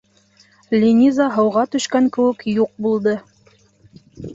Линиза һыуға төшкән кеүек юҡ булды.